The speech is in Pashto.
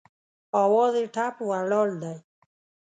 اواز یې ټپ ولاړ دی